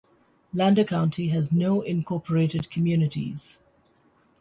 Lander County has no incorporated communities.